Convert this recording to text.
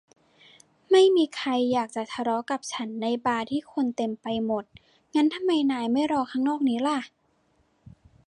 ไม่มีใครอยากจะทะเลาะกับฉันในบาร์ที่คนเต็มไปหมด งั้นทำไมนายไม่รอข้างนอกนี้ล่ะ